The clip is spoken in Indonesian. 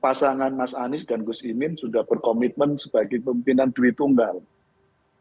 nah kami pasangan mas anies dan gus imin sudah berkomitmen sebagai pemimpinan duitum dan kepentingan duitum